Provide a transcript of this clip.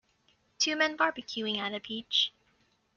Two men barbecuing at a beach.